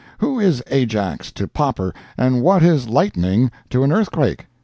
Who is Ajax to Popper, and what is lightning to an earthquake?